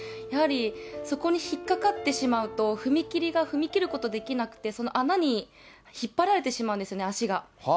やはりそこに引っ掛かってしまうと、踏み切りが踏み切ることできなくて、その穴に引っ張られてしまうんですよね、足が。